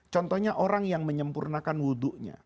contohnya orang yang menyempurnakan wudhunya